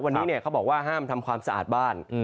วันนี้เขาบอกว่าห้ามทำความสะอาดบ้าน